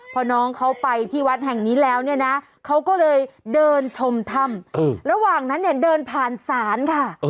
พอน้องเขาไปที่วัดแห่งนี้แล้วเนี่ยนะเขาก็เลยเดินชมถ้ำระหว่างนั้นเนี่ยเดินผ่านศาลค่ะ